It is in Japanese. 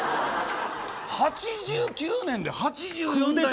８９年で８４代目。